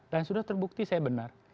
dan sudah terbukti saya benar